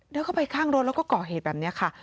เข้าไปข้างรถแล้วก็ก่อเหตุแบบนี้ค่ะ